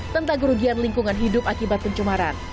tentang kerugian lingkungan hidup akibat pencemaran